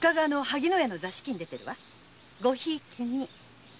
ごひいきに。